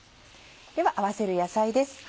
では合わせる野菜です。